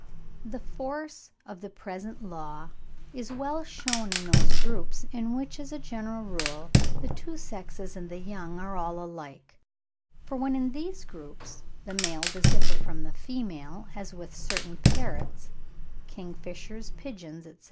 The force of the present law is well shewn in those groups, in which, as a general rule, the two sexes and the young are all alike; for when in these groups the male does differ from the female, as with certain parrots, kingfishers, pigeons, etc.